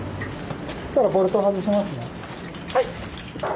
はい。